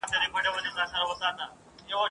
د نقاش په قلم جوړ وو سر ترنوکه ..